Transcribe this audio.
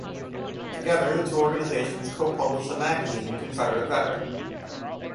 Together, the two organizations co-published a magazine, "Confederate Veteran".